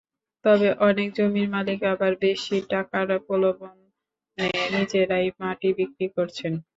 তবে অনেক জমির মালিক আবার বেশি টাকার প্রলোভনে নিজেরাই মাটি বিক্রি করছেন।